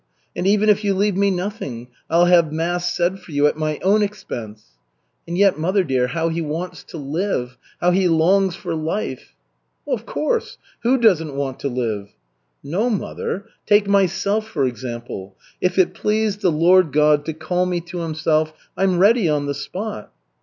And even if you leave me nothing, I'll have mass said for you at my own expense.' And yet, mother dear, how he wants to live! How he longs for life!" "Of course, who doesn't want to live?" "No, mother. Take myself, for example. If it pleased the Lord God to call me to Himself, I'm ready on the spot."